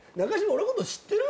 俺のこと知ってる？